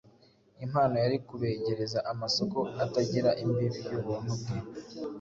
impano yari kubegereza amasoko atagira imbibi y’ubuntu bwe.